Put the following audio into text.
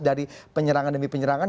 dari penyerangan demi penyerangan